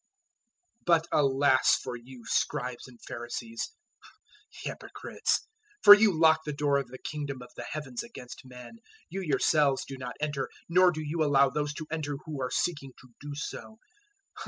023:013 "But alas for you, Scribes and Pharisees, hypocrites, for you lock the door of the Kingdom of the Heavens against men; you yourselves do not enter, nor do you allow those to enter who are seeking to do so.